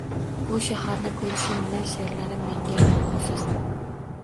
Bu shaharni ko‘rishim bilan she’rlarim menga ma’nosiz